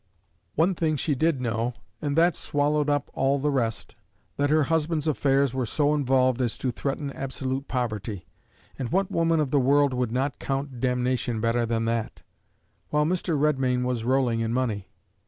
One thing she did know, and that swallowed up all the rest that her husband's affairs were so involved as to threaten absolute poverty; and what woman of the world would not count damnation better than that? while Mr. Redmain was rolling in money.